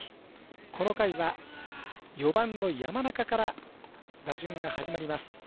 この回は４番の山中から打順が始まります。